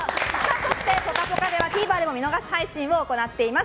そして、「ぽかぽか」ではＴＶｅｒでも見逃し配信を行っております。